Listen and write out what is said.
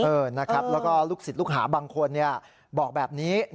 นะครับแล้วก็ลูกศิษย์ลูกหาบางคนบอกแบบนี้